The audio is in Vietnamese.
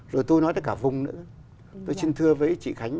rồi tôi nói tới cả vùng nữa tôi xin thưa với chị khánh